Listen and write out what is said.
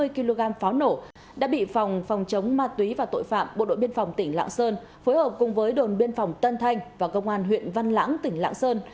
khi nổ đối tượng bị phóng chống ma túy và tội phạm bộ đội biên phòng tỉnh lạng sơn phối hợp cùng đồn biên phòng tân thanh và công an huyện văn lãng tỉnh lạng sơn